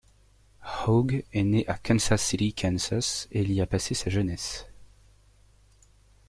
Hogue est né à Kansas City, Kansas, et il y a passé sa jeunesse.